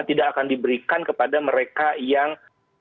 tidak akan diberikan kepada mereka yang